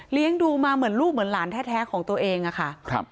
ดูมาเหมือนลูกเหมือนหลานแท้ของตัวเองอะค่ะ